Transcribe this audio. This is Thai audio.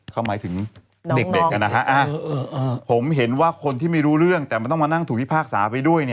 เขาหมายถึงเด็กนะฮะผมเห็นว่าคนที่ไม่รู้เรื่องแต่มันต้องมานั่งถูกพิพากษาไปด้วย